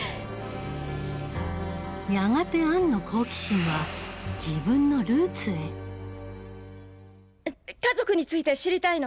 やがてアンの好奇心は自分のルーツへ家族について知りたいの。